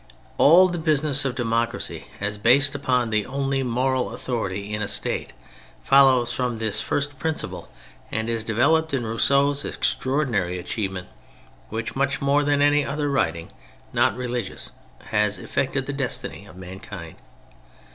All the business of democracy as based upon the only moral authority in a State follows from this first principle, and is developed in Rousseau's extraordinary achievement which, much more than any other writing not reli gious, has affected the destiny of mankind.